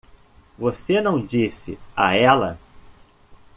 Você não disse a ela?